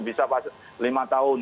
bisa lima tahun